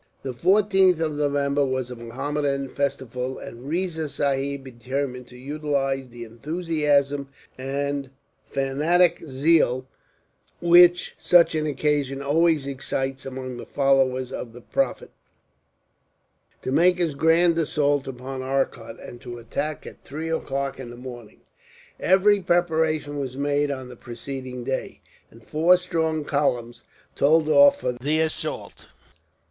The 14th of November was a Mohammedan festival, and Riza Sahib determined to utilize the enthusiasm and fanatic zeal, which such an occasion always excites among the followers of the Prophet, to make his grand assault upon Arcot, and to attack at three o'clock in the morning. Every preparation was made on the preceding day, and four strong columns told off for the assault.